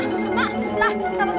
lah kenapa begini mak